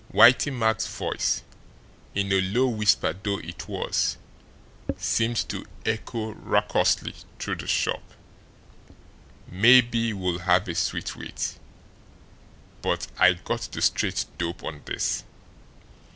Whitey Mack's voice, in a low whisper though it was, seemed to echo raucously through the shop. "Mabbe we'll have a sweet wait, but I got the straight dope on this.